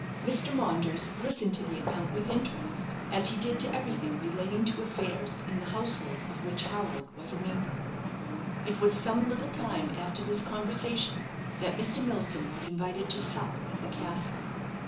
Mr. Maunders listened to the account with interest, as he did to everything relating to affairs in the household of which Harwood was a member. It was some little time after this conversation that Mr. Milsom was invited to sup at the castle.